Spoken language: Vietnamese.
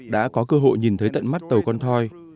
đã có cơ hội nhìn thấy tận mắt tàu con thoi